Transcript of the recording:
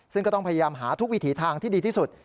ซึ่งก็ต้องพยายามหาทุกวิถีทางที่ดีที่สุด